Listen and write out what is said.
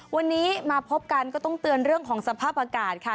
วันนี้มาพบกันก็ต้องเตือนเรื่องของสภาพอากาศค่ะ